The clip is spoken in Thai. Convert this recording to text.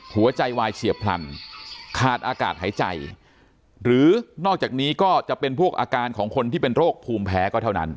หัวใจวายเฉียบพลันขาดอากาศหายใจหรือนอกจากนี้ก็จะเป็นพวกอาการของคนที่เป็นโรคภูมิแพ้ก็เท่านั้น